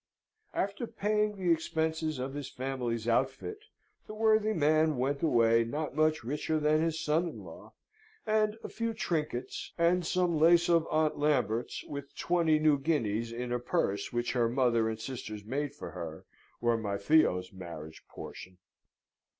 After paying the expenses of his family's outfit, the worthy man went away not much richer than his son in law; and a few trinkets, and some lace of Aunt Lambert's, with twenty new guineas in a purse which her mother and sisters made for her, were my Theo's marriage portion.